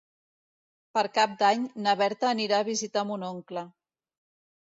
Per Cap d'Any na Berta anirà a visitar mon oncle.